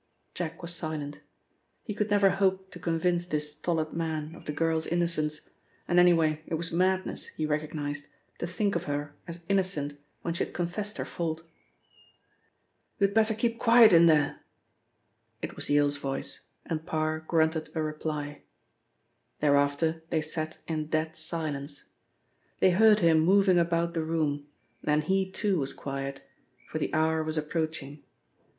Jack was silent. He could never hope to convince this stolid man of the girl's innocence and anyway it was madness, he recognised, to think of her as innocent when she had confessed her fault. "You had better keep quiet in there." It was Yale's voice, and Parr grunted a reply. Thereafter they sat in dead silence. They heard him moving about the room, then he too was quiet, for the hour was approaching.